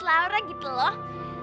laura gitu loh